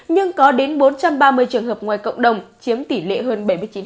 trong một trăm ba mươi trường hợp ngoài cộng đồng chiếm tỷ lệ hơn bảy mươi chín